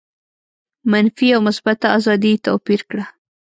منفي او مثبته آزادي یې توپیر کړه.